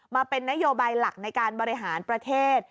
มาเป็นนโยบายหลักในการบริหารประเทศ